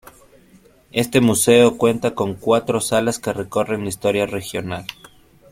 Este museo cuenta con cuatro salas que recorren la historia regional.